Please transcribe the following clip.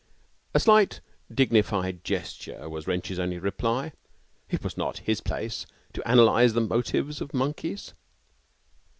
A slight, dignified gesture was Wrench's only reply. It was not his place to analyse the motives of monkeys.